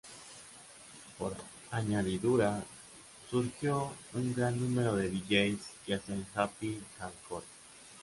Por añadidura, surgió un gran número de Dj's que hacían happy hardcore.